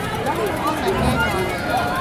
พวกนั้นแน่นอน